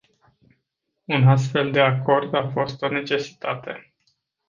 Un astfel de acord a fost o necesitate.